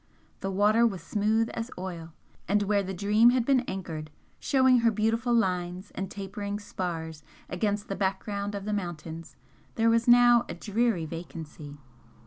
The water was smooth as oil, and where the 'Dream' had been anchored, showing her beautiful lines and tapering spars against the background of the mountains, there was now a dreary vacancy.